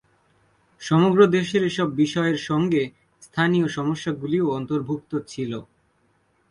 সমগ্র দেশের এসব বিষয়ের সঙ্গে স্থানীয় সমস্যাগুলিও অন্তর্ভুক্ত ছিল।